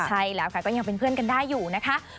ใช่แล้วค่ะก็ยังเป็นเพื่อนกันได้อยู่นะคะ